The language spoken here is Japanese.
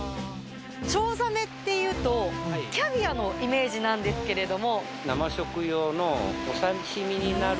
チョウザメっていうとキャビアのイメージなんですけれども。